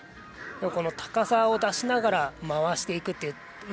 高さを出しながら回していくという。